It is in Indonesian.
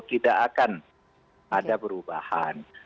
tidak akan ada perubahan